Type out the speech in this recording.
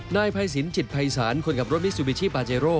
นายภัยสินจิตภัยศาลคนขับรถมิซูบิชิปาเจโร่